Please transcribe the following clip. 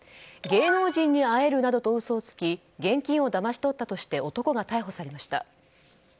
芸能人に会えるなどと嘘をつき現金をだまし取ったとして男が逮捕されました。